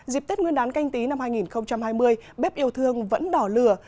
dịp tết nguyên đán canh tí năm hai nghìn hai mươi bếp yêu thương vẫn đỏ lửa